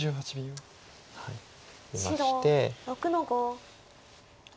出まして。